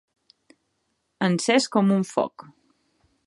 Encès com un foc.